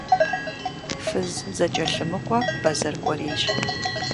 Фыз зэкӀэлъымыкӀуэ бэзэр кӀуэрейщ.